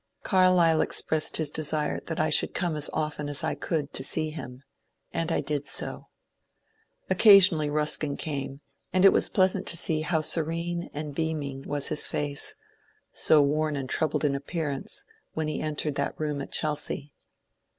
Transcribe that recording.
Carlyle expressed his desire that I should come as often as I could to see him, and I did so. Occasionally Ruskin came, and it was pleasant to see how serene and beaming was his face, so worn and troubled in appearance, when he entered that room at Chelsea.